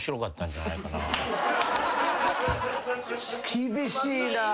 厳しいなぁ。